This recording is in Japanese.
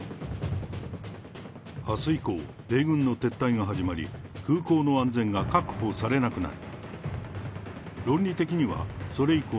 あす以降、米軍の撤退が始まり、空港の安全が確保されなくなる。